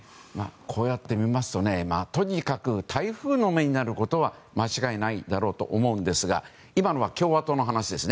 こうやって見ますとねとにかく、台風の目になることは間違いないだろうと思うんですが今のは共和党の話です。